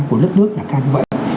của đất nước là cao như vậy